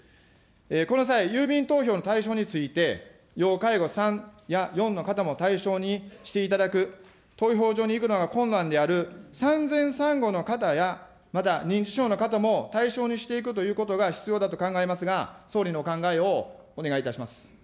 この際、郵便投票の対象について、要介護３や４の方も対象にしていただく、投票所に行くのが困難である産前産後の方や、また認知症の方も対象にしていくということが必要だと考えますが、総理のお考えをお願いいたします。